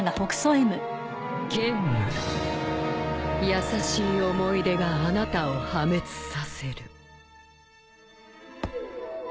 優しい思い出があなたを破滅させる。